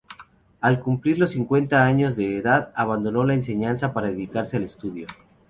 Al cumplir los cincuenta años de edad abandonó la enseñanza para dedicarse al estudio.